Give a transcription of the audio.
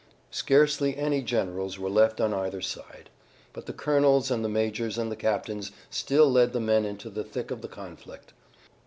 Scarcely any generals were left on either side, but the colonels and the majors and the captains still led the men into the thick of the conflict.